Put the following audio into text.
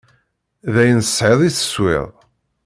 D ayen tesɛiḍ i teswiḍ.